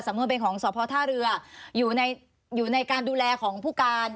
สำนวนเป็นของสพท่าเรืออยู่ในอยู่ในการดูแลของผู้การ